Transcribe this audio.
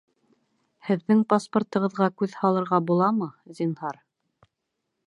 Һеҙҙең паспортығыҙға күҙ һалырға буламы, зинһар